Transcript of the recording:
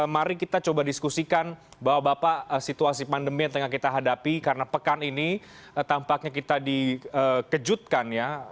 mari kita coba diskusikan bahwa bapak situasi pandemi yang tengah kita hadapi karena pekan ini tampaknya kita dikejutkan ya